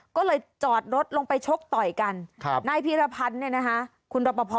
ก็เลยจอดรถลงไปชกต่อยกันนายพีรพันธ์คุณรอบปภ